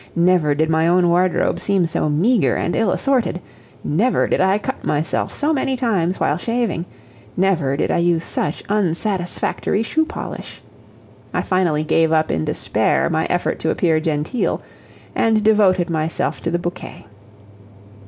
Never did my own wardrobe seem so meager and ill assorted; never did I cut myself so many times while shaving; never did I use such unsatisfactory shoe polish. I finally gave up in despair my effort to appear genteel, and devoted myself to the bouquet.